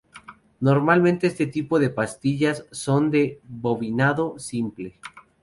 Normalmente este tipo de pastillas son de bobinado simple.